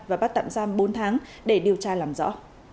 và bắt tạm giam bốn tháng để điều tra làm rõ